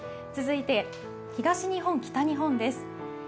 続いて東日本、北日本です。